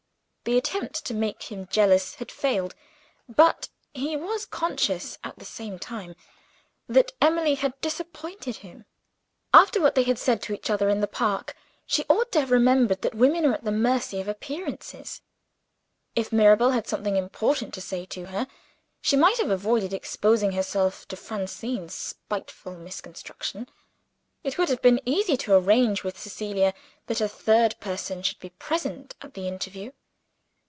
The attempt to make him jealous had failed; but he was conscious, at the same time, that Emily had disappointed him. After what they had said to each other in the park, she ought to have remembered that women are at the mercy of appearances. If Mirabel had something of importance to say to her, she might have avoided exposing herself to Francine's spiteful misconstruction: it would have been easy to arrange with Cecilia that a third person should be present at the interview.